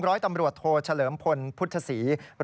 ร้อยตำรวจโทเฉลิมพลพุทธศรี